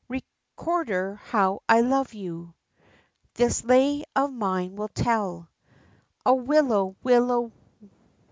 Recordar, how I love you, This lay of mine will tell, O willow! willow!